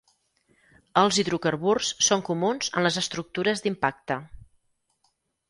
Els hidrocarburs són comuns en les estructures d'impacte.